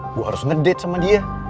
gue harus ngedete sama dia